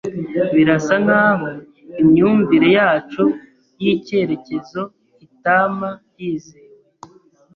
Birasa nkaho imyumvire yacu yicyerekezo itama yizewe.